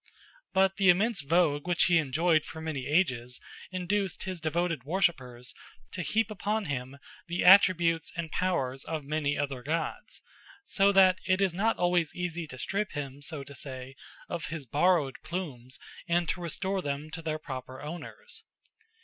But the immense vogue which he enjoyed for many ages induced his devoted worshippers to heap upon him the attributes and powers of many other gods; so that it is not always easy to strip him, so to say, of his borrowed plumes and to restore them to their proper owners.